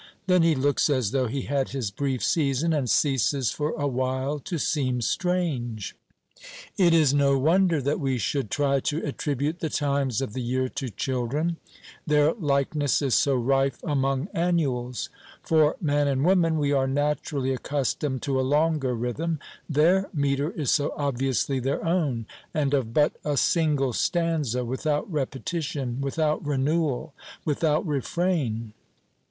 Then he looks as though he had his brief season, and ceases for a while to seem strange. It is no wonder that we should try to attribute the times of the year to children; their likeness is so rife among annuals. For man and woman we are naturally accustomed to a longer rhythm; their metre is so obviously their own, and of but a single stanza, without repetition, without renewel, without refrain.